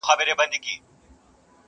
ټولنه خپل عيب نه مني تل